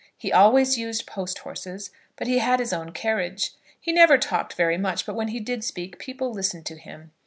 He always used post horses, but he had his own carriage. He never talked very much, but when he did speak people listened to him.